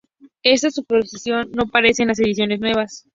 Esta superposición no aparece en las ediciones nuevas.